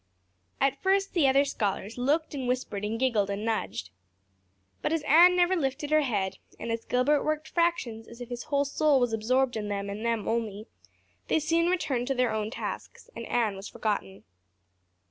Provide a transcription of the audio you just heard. At first the other scholars looked and whispered and giggled and nudged. But as Anne never lifted her head and as Gilbert worked fractions as if his whole soul was absorbed in them and them only, they soon returned to their own tasks and Anne was forgotten.